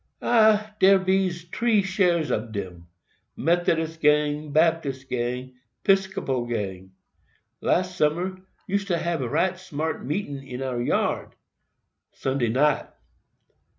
"Dere bees tree shares ob dem—Methodist gang, Baptist gang, 'Piscopal gang. Last summer, use to hab right smart meetins in our yard, Sunday night.